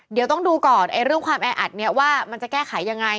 เดี๋ยวต้องดูก่อนเรื่องความแออัดเนี่ยว่ามันจะแก้ไขยังไง